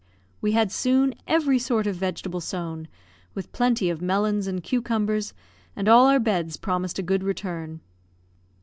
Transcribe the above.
We had soon every sort of vegetable sown, with plenty of melons and cucumbers, and all our beds promised a good return.